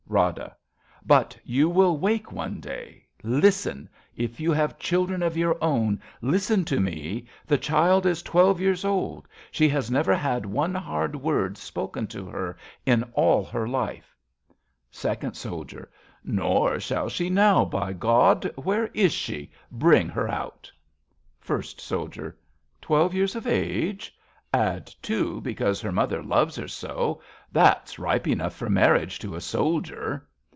Rada. But you will wake one day. Listen ! If you have children of your own, Listen to me ... the child is twelve years old. She has never had one hard word spoken to her In all her life. A BELGIAN CHRISTMAS EVE Second Soldier. Nor shall she now, by God ! Where is she ? Bring her out ! First Soldier. Twelve years of age? Add two, because her mother loves her so ! That's ripe enough for marriage to a soldier.